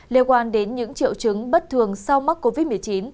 liên quan đến những triệu chứng bất thường sau mắc covid một mươi chín